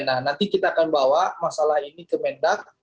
nah nanti kita akan bawa masalah ini ke mendak